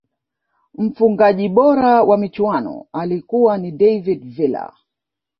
mfungaji bora wa michuano alikuwa ni david villa